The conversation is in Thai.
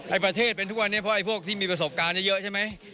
ไอ้ประเทศเป็นทุกคนเพราะไอ้พวกประสบการณ์เยอะใช่มั้ย